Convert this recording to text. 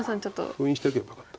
封印しとけばよかった。